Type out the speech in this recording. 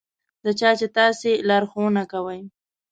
د چا چې تاسې لارښوونه کوئ.